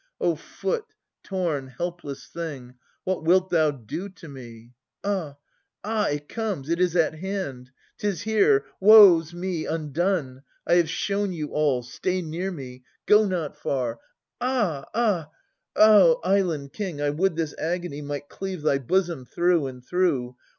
O, foot, torn helpless thing. What wilt thou do to me ? Ah ! ah ! It comes. It is at hand. 'Tis here ! Woe 's me, undone ! I have shown you all. Stay near me. Go not far. Ah! ah! island king, I would this agony Might cleave thy bosom through and through